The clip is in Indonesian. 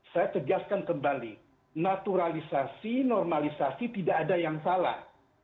saya tegaskan kembali naturalisasi normalisasi tidak ada yang salah